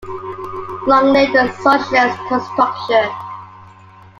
Long live the socialist construction.